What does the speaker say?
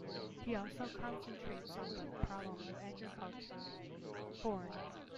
He also concentrates on the problem of agriculture reform.